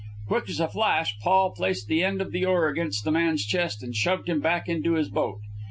Quick as a flash Paul placed the end of the oar against the man's chest and shoved him back into his boat.